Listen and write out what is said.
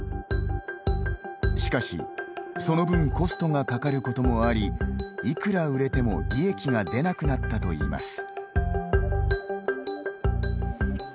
しかし、その分コストがかかることもありいくら売れても利益が出なくなったといいます。